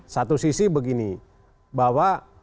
satu sisi begini bahwa